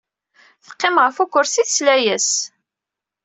Teqqim ɣef ukersi, tesla-as.